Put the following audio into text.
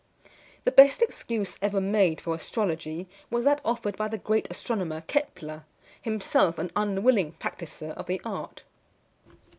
The best excuse ever made for astrology was that offered by the great astronomer, Kepler, himself an unwilling practiser of the art.